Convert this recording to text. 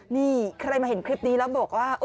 นี่ใครมาเห็นคลิปนี้แล้วบอกว่า